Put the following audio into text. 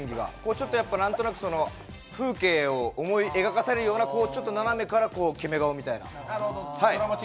なんとなく風景を思い描かせるような、ちょっと斜めからキメ顔みたいな。